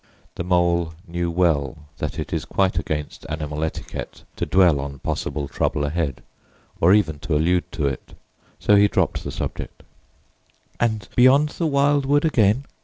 The Mole knew well that it is quite against animal etiquette to dwell on possible trouble ahead, or even to allude to it; so he dropped the subject. "And beyond the Wild Wood again?"